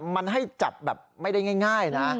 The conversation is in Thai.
มันให้จับแบบไม่ได้ง่ายนะ